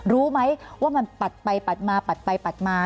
รู้ไหมว่ามันปัดไปปัดมาปัดไปปัดมา